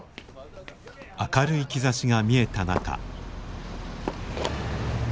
明るい兆しが見えた中。